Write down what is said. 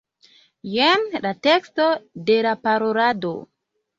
Jen la teksto de la parolado.